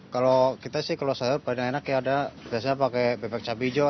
kalau kita sih kalau sayur paling enak ya ada biasanya pakai bebek cabai hijau